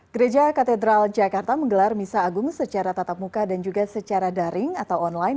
gereja katedral jakarta menggelar misa agung secara tatap muka dan juga secara daring atau online